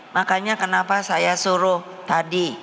makanya kenapa saya suruh tadi